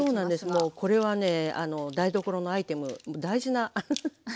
もうこれはね台所のアイテム大事なウフフ。